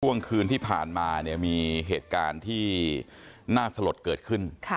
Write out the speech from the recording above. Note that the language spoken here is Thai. ช่วงคืนที่ผ่านมาเนี่ยมีเหตุการณ์ที่น่าสลดเกิดขึ้น